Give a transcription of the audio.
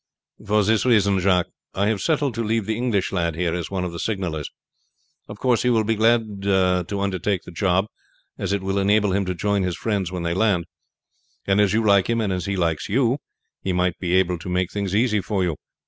"For this reason, Jacques: I have settled to leave the English lad here as one of the signallers. Of course he will gladly undertake the job, as it will enable him to join his friends when they land; and as you like him and he likes you, he might be able to make things easy for you.